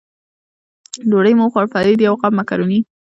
ډوډۍ مو وخوړل، فرید یو غاب مکروني.